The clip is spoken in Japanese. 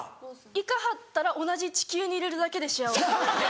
行かはったら同じ地球にいれるだけで幸せ。